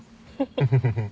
フフフフッ。